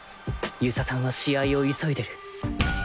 遊佐さんは試合を急いでる